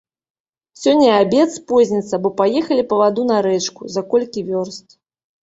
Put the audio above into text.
Сёння і абед спозніцца, бо паехалі па ваду на рэчку, за колькі вёрст.